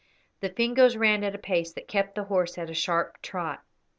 The Fingoes ran at a pace that kept the horse at a sharp trot.